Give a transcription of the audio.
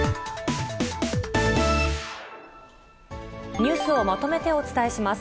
ニュースをまとめてお伝えします。